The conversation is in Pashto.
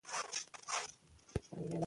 هغه چا ته چې علم لري درناوی وکړئ.